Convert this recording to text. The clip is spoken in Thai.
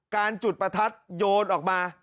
การจุดประทัดโยนออกมา